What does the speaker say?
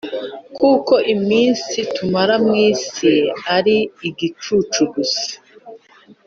kuko iminsi tumara mu isi ari igicucu gusa